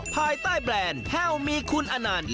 ภายใต้แบรนด์แพ่วมีคุณอนันต์